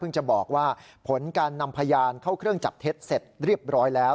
จะบอกว่าผลการนำพยานเข้าเครื่องจับเท็จเสร็จเรียบร้อยแล้ว